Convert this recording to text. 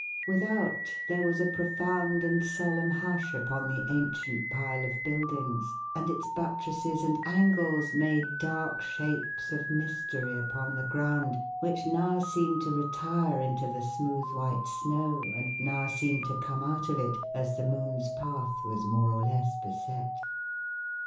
Without, there was a profound and solemn hush upon the ancient pile of buildings, and its buttresses and angles made dark shapes of mystery upon the ground, which now seemed to retire into the smooth white snow and now seemed to come out of it, as the moon's path was more or less he set.